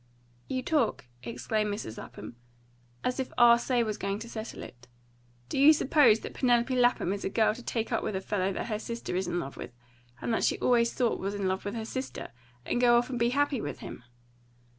"You talk," exclaimed Mrs. Lapham, "as if our say was going to settle it. Do you suppose that Penelope Lapham is a girl to take up with a fellow that her sister is in love with, and that she always thought was in love with her sister, and go off and be happy with him?